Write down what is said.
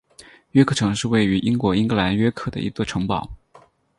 约克城是位于英国英格兰约克的一座城堡。